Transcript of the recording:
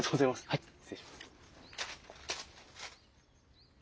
はい失礼します。